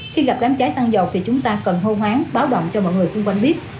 khi gặp đám cháy xăng dầu thì chúng ta cần hô hoáng báo động cho mọi người xung quanh biết